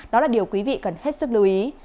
đó là điều quý vị cần hết sức lưu ý